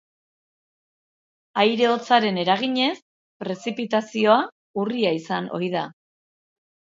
Aire hotzaren eraginez, prezipitazioa urria izan ohi da.